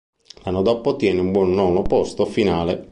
L'anno dopo ottiene un buon nono posto finale.